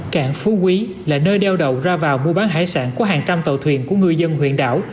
cảng phú quý là nơi đeo đậu ra vào mua bán hải sản của hàng trăm tàu thuyền của người dân huyện đảo